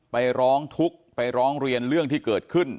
ร้องทุกข์ไปร้องเรียนเรื่องที่เกิดขึ้น